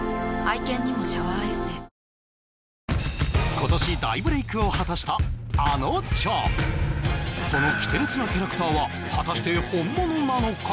今年大ブレイクを果たしたあのちゃんその奇天烈なキャラクターは果たして本物なのか？